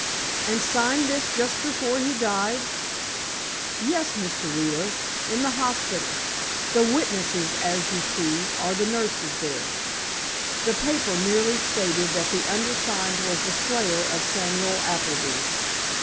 "And signed this just before he died?" "Yes, Mr. Wheeler. In the hospital. The witnesses, as you see, are the nurses there." The paper merely stated that the undersigned was the slayer of Samuel Appleby.